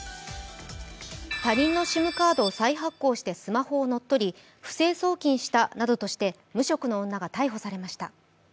他人のＳＩＭカードを再発行してスマホを乗っ取り、不正送金したなどとして無職の女が逮捕されました。